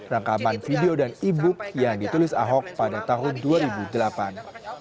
rekaman video dan e book yang ditulis ahok pada tahun dua ribu delapan